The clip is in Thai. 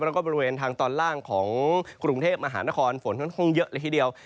แล้วก็บริเวณทางตอนล่างของกรุงเทพมหานครฝนค่อนข้างเยอะเลยทีเดียว